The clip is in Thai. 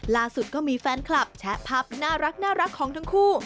ล่าสุดก็มีแฟนคลับแชะภาพน่ารักของทั้งคู่